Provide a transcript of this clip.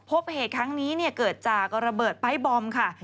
พบเหตุครั้งนี้เกิดจากระเบิดปลายบอมค่ะ